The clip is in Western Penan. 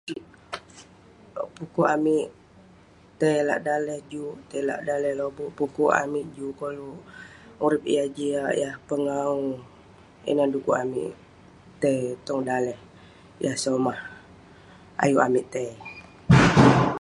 pu'kuk amik tai lak daleh juk, tai lak daleh lobuk, pu'kuk amik juk koluk urip yah jiak, yah pengawu, ineh du'kuk amik tai tong daleh yah somah ayuk amik tai